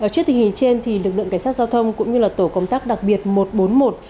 trước tình hình trên lực lượng cảnh sát giao thông cũng như tổ công tác đặc biệt một trăm bốn mươi một